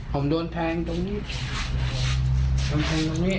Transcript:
ผมโดนแทงตรงนี้